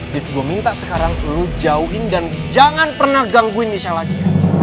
nif gua minta sekarang lo jauhin dan jangan pernah gangguin michelle lagi